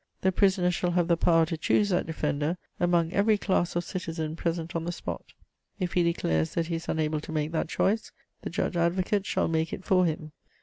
The prisoner shall have 'the power to choose that defender' among every class of citizen present on the spot; if he declares that he is unable to make that choice, the judge advocate shall make it for him.